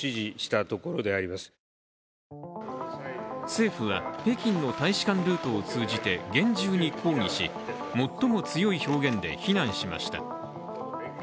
政府は北京の大使館ルートを通じて厳重に抗議し最も強い表現で非難しました。